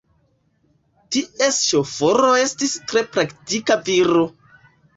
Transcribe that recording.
Ties ŝoforo estis tre praktika viro.